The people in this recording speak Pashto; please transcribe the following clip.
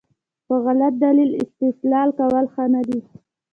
په غلط دلیل استدلال کول ښه نه دي.